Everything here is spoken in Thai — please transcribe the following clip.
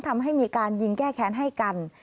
ทำให้มีการยิงแก้แค้นให้กัน